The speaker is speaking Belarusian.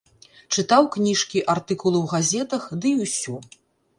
Чытаў кніжкі, артыкулы ў газетах, дый усё.